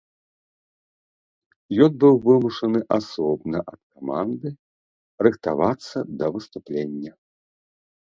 Ён быў вымушаны асобна ад каманды рыхтавацца да выступлення.